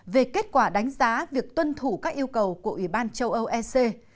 về kết quả đánh giá việc tuân thủ các yêu cầu của ủy ban châu âu ec